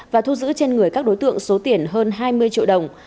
và thu giữ trên người các đối tượng số tiền hơn hai mươi triệu đồng